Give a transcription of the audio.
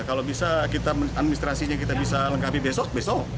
kalau bisa kita administrasinya kita bisa lengkapi besok besok